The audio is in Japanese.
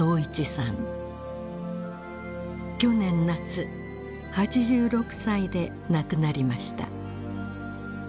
去年夏８６歳で亡くなりました。